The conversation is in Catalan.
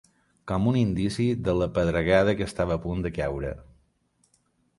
Com un indici de la pedregada que estava a punt de caure.